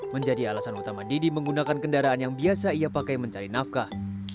menjadi alasan utama didi menggunakan kendaraan yang biasa ia pakai mencari nafkah